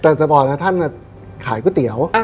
แต่จะบอกนะท่านขายก๋วยเตี๋ยว